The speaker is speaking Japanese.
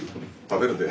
食べるで。